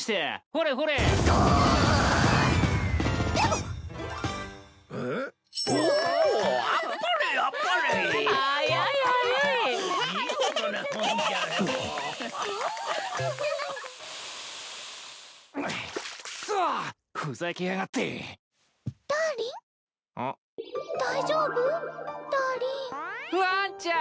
ランちゃん！